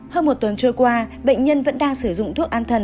hơn một tuần trôi qua bệnh nhân vẫn đang sử dụng thuốc an thần